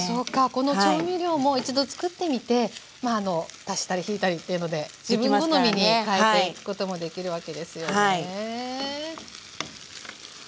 この調味料も一度つくってみて足したり引いたりっていうので自分好みに変えていくこともできるわけですよね。